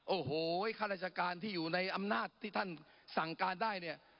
โอ้โหข้าราชการที่อยู่ในอำนาจที่ท่านสั่งการได้เนี่ย